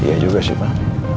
iya juga sih pak